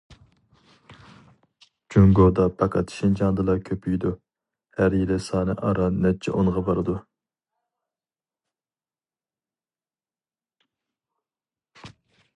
جۇڭگودا پەقەت شىنجاڭدىلا كۆپىيىدۇ، ھەر يىلى سانى ئاران نەچچە ئونغا بارىدۇ.